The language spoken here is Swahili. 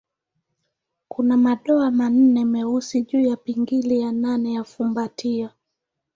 Kuna madoa manne meusi juu ya pingili ya nane ya fumbatio.